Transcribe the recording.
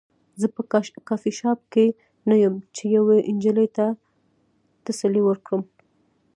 زه په کافي شاپ کې نه یم چې یوې نجلۍ ته تسلي ورکړم